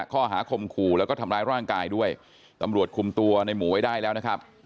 ข้อหาคมขู่แล้วก็ทำร้ายร่างกายด้วยตำรวจคุมตัวในหมูไว้ได้แล้วนะครับ